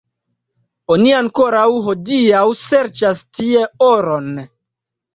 Oni ankoraŭ hodiaŭ serĉas tie oron.